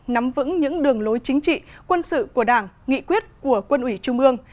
nắm vững những đường lối chính trị quân sự của đảng nghị quyết của quân ủy trung ương